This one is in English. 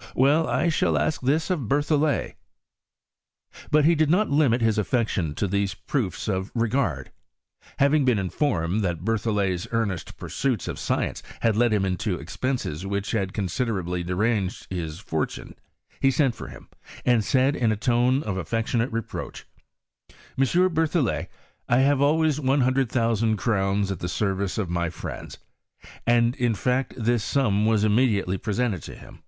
I 150 HISTORY or chehistrt. « Well ; 1 shall ask this of Berthollet." But he did not limit hia affection to these proofs of r^ird. Having been infornied that Berlhollet's earnest pui auita of science had kd him into exptDses which bad considerably deranged his fortune, he sent for him, and said, in a tone of affectionate reproach, *' M, Berthollet, I have always one hundred thou sand crowns at the service of my friends," And, in fact, this sum was immediately presented to him.